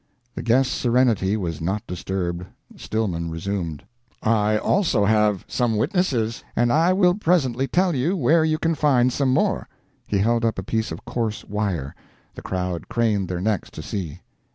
The guest's serenity was not disturbed. Stillman resumed: "I also have some witnesses; and I will presently tell you where you can find some more." He held up a piece of coarse wire; the crowd craned their necks to see.